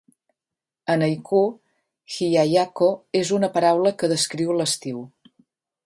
En haiku, hiyayakko és una paraula que descriu l'estiu.